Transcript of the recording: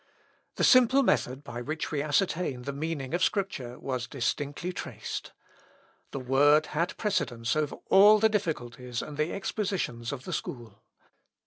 The simple method by which we ascertain the meaning of Scripture was distinctly traced. The Word had precedence over all the difficulties and the expositions of the School.